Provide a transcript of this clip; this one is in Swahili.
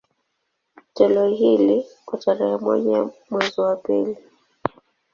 Toleo hili, kwa tarehe moja mwezi wa pili